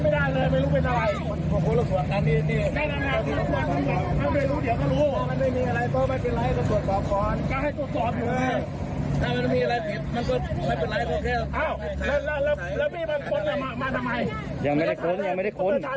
แล้วมีบางคนมาทำไม